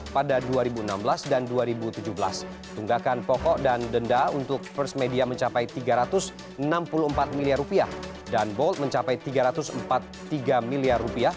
pada dua ribu enam belas dan dua ribu tujuh belas tunggakan pokok dan denda untuk first media mencapai rp tiga ratus enam puluh empat miliar dan bolt mencapai rp tiga ratus empat puluh tiga miliar